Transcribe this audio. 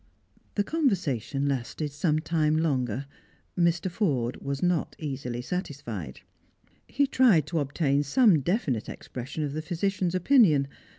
The conversation lasted some time longer. Mr. Forde was not easily satisfied. He tried to obtain some defiftite expres sion of the physician's opinion.